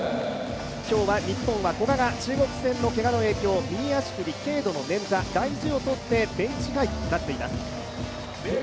今日は日本は古賀が中国戦のけがの影響、右足首、軽度のねんざ、大事をとってベンチ外になっています。